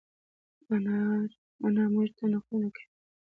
انا مونږ ته نقلونه کوی